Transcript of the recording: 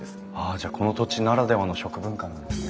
じゃあこの土地ならではの食文化なんですね。